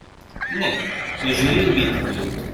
Ne, ne želim biti pilot.